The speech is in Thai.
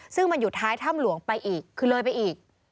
ซึ่งมันอยู่ท้ายถ้ำหลวงไปอีกคือเลยไปอีก